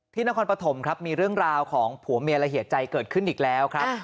นครปฐมครับมีเรื่องราวของผัวเมียและเหตุใจเกิดขึ้นอีกแล้วครับ